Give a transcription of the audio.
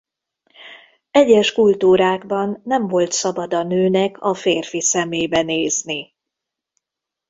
Egyes kultúrákban nem volt szabad a nőnek a férfi szemébe nézni.